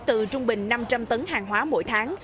từ trung bình năm trăm linh tấn hàng hóa mỗi tháng